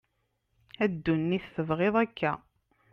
a dunit tebγiḍ akka